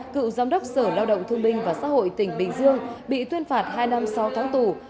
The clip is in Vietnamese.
cựu giám đốc sở lao động thương minh và xã hội tỉnh bình dương bị tuyên phạt hai năm sau tháng tù